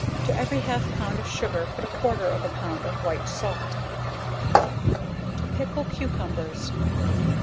To every half pound of sugar, put a quarter of a pound of white salt. To pickle Cucumbers.